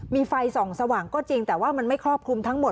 มีไฟส่องสว่างก็จริงแต่ว่ามันไม่ครอบคลุมทั้งหมด